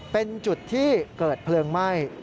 เป็นจุดที่เกิดเพลิงไหม้